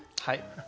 はい。